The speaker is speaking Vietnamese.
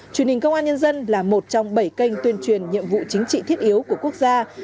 truyền hình công an nhân dân là một trong bảy kênh tuyên truyền nhiệm vụ chính trị thiết yếu của quốc gia